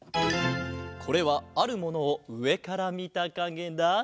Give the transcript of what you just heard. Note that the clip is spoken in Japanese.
これはあるものをうえからみたかげだ。